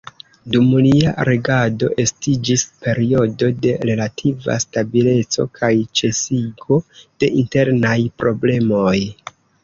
Dum lia regado estiĝis periodo de relativa stabileco kaj ĉesigo de internaj problemoj.